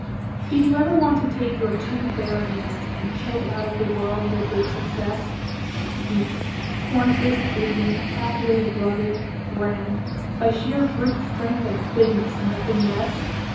Did you ever want to take your two bare hands, And choke out of the world your big success? Beat, torn fists bleeding, pathways rugged, grand, By sheer brute strength and bigness, nothing less?